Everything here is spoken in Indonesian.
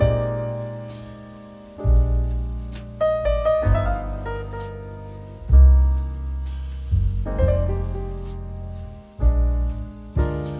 iya nanti mama sakit dirumah